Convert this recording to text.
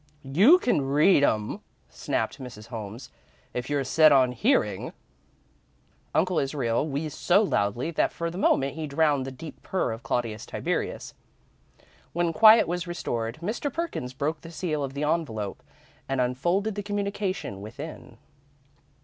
"You can read 'em," snapped Mrs. Holmes, "if you're set on hearing." Uncle Israel wheezed so loudly that for the moment he drowned the deep purr of Claudius Tiberius. When quiet was restored, Mr. Perkins broke the seal of the envelope and unfolded the communication within.